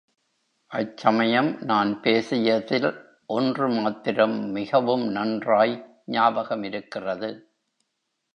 அச்சமயம் நான் பேசியதில் ஒன்று மாத்திரம் மிகவும் நன்றாய் ஞாபகமிருக்கிறது.